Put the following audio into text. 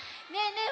ねえ！